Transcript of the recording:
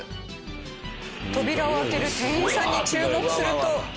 扉を開ける店員さんに注目すると。